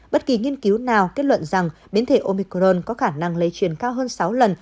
bất kỳ nghiên cứu nào kết luận rằng biến thể omicron có khả năng lây truyền cao hơn sáu lần